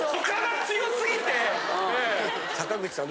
坂口さん